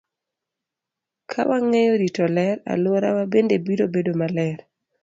Ka wang'eyo rito ler, alworawa bende biro bedo maler.